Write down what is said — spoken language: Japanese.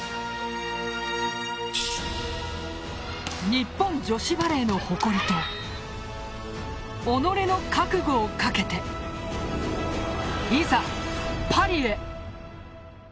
日本女子バレーの誇りと己の覚悟をかけていざ、パリへ。